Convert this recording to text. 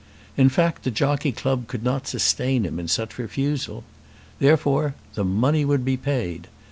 In fact the Jockey Club could not sustain him in such refusal. Therefore the money would be paid.